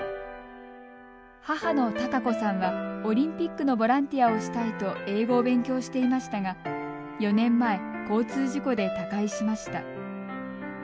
母の孝子さんはオリンピックのボランティアをしたいと英語を勉強していましたが４年前、交通事故で他界しました。